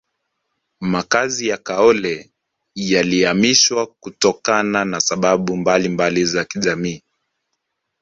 makazi ya kaole yalihamishwa kutokana na sababu mbalimba za kijamii